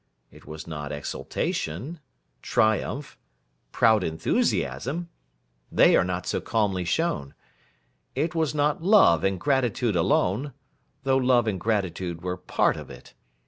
It was not exultation, triumph, proud enthusiasm. They are not so calmly shown. It was not love and gratitude alone, though love and gratitude were part of it.